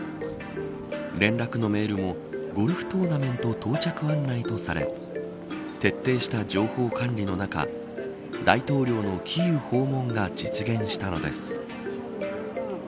連絡のメールもゴルフトーナメント到着案内とされ徹底した情報管理の中大統領のキーウ訪問が実現したのです。